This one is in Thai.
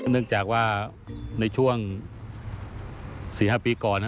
เนื่องจากว่าในช่วง๔๕ปีก่อน